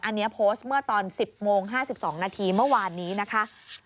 อันนี้โพสต์เมื่อตอน๑๐โมง๕๒นาทีเมื่อวานนี้นะคะ